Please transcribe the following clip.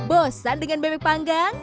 bosan dengan bebek panggang